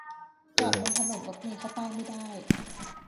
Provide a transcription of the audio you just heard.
จอดบนถนนรถเมล์เข้าป้ายไม่ได้